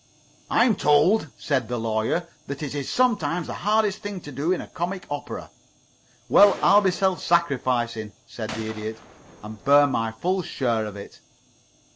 "I'm told," said the Lawyer, "that that is sometimes the hardest thing to do in a comic opera." "Well, I'll be self sacrificing," said the Idiot, "and bear my full share of it."